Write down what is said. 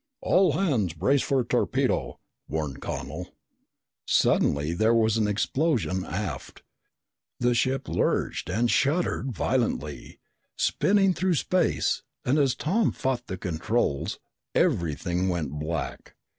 "All hands brace for torpedo!" warned Connel. Suddenly there was an explosion aft. The ship lurched and shuddered violently, spinning through space, and as Tom fought the controls, everything went black.